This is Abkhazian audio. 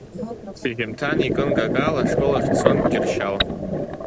Шьыжьымҭан икын какал, ашкол ахь дцон Кьыршьал.